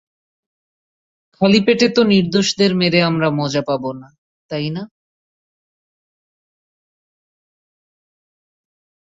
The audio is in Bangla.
খালি পেটে তো নির্দোষদের মেরে আমরা মজা পাবো না, তাই না?